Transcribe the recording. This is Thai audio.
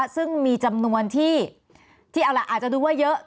ซึ่งมีจำนวนที่เอาล่ะอาจจะดูว่าเยอะ